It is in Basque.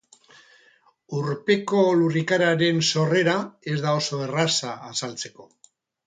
Urpeko lurrikararen sorrera ez da oso erraza azaltzeko.